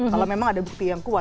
kalau memang ada bukti yang kuat